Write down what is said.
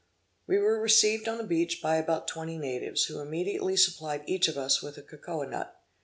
We were received on the beach by about twenty natives, who immediately supplied each of us with a cocoa nut.